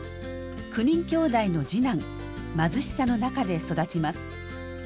９人兄弟の次男貧しさの中で育ちます。